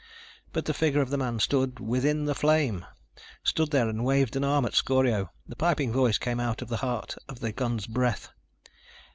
But the figure of the man stood within the flame! Stood there and waved an arm at Scorio. The piping voice came out of the heart of the gun's breath.